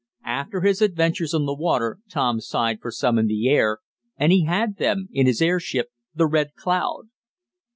After his adventures on the water Tom sighed for some in the air, and he had them in his airship the Red Cloud.